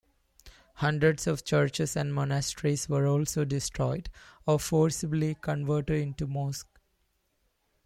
Hundreds of churches and monasteries were also destroyed or forcibly converted into mosques.